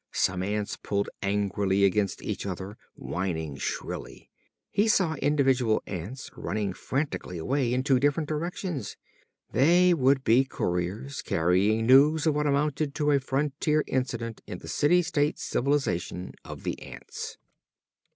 Some ants pulled angrily against each other, whining shrilly. He saw individual ants running frantically away in two different directions. They would be couriers, carrying news of what amounted to a frontier incident in the city state civilization of the ants.